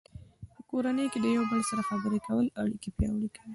په کورنۍ کې د یو بل سره خبرې کول اړیکې پیاوړې کوي.